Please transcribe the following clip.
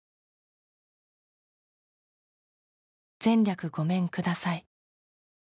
「前略ごめんください」